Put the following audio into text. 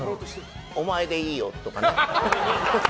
お前でいいよとかね。